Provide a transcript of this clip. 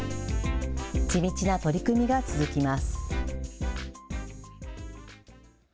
地道な取り組みが続きます。